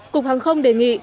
cục hàng không đề nghị